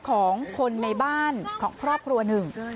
ของคนในบ้านของครอบครัวหนึ่ง